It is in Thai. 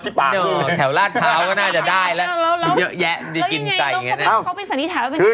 จะเยอะแยะไม่ไกล